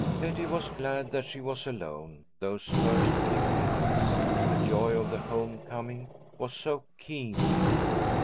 Betty was glad that she was alone, those first few minutes, the joy of the home coming was so keen.